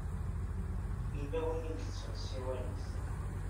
Yella win i yettun ssiwan-is.